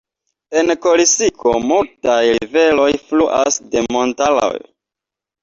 En Korsiko multaj riveroj fluas de montaroj.